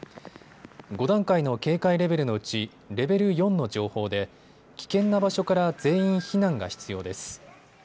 ５段階の警戒レベルのうちレベル４の情報で危険な場所から全員避難が必要です。